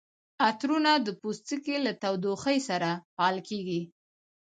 عطرونه د پوستکي له تودوخې سره فعال کیږي.